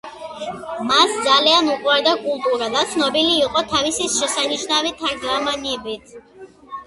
მას ძალიან უყვარდა კულტურა და ცნობილი იყო თავისი შესანიშნავი თარგმანებით.